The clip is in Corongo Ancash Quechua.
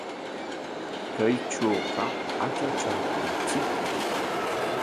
Kaytrawqa atratraakunchikmi .